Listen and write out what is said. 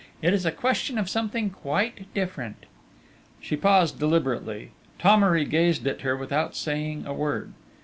it is a question of something quite different...." She paused deliberately: Thomery gazed at her without saying a word.